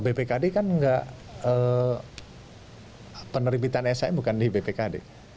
bpkd kan enggak penerbitan sm bukan di bpkd